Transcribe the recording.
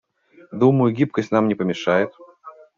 Думаю, гибкость нам не помешает.